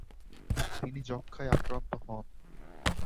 তিনি যক্ষায় আক্রান্ত হন।